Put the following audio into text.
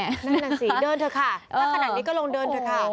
นั่นแหละสิเดินเถอะค่ะถ้าขนาดนี้ก็ลองเดินเถอะค่ะ